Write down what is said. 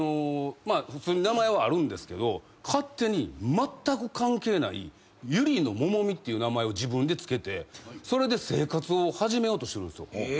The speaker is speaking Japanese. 普通に名前はあるんですけど勝手にまったく関係ない「ゆりのももみ」っていう名前を自分で付けてそれで生活を始めようとしてるんですよ。